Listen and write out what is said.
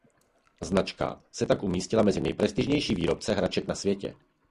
Značka se tak umístila mezi nejprestižnější výrobce hraček na světě.